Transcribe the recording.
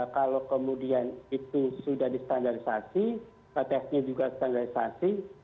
jadi kalau kemudian itu sudah distandarsasi testnya juga distandarsasi